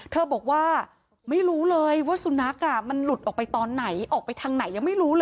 เธอบอกว่าไม่รู้เลยว่าสุนัขมันหลุดออกไปตอนไหนออกไปทางไหนยังไม่รู้เลย